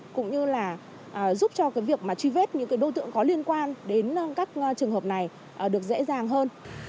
cũng như là giúp cho cái việc mà truy vết những đối tượng có liên quan đến các trường hợp này được dễ dàng hơn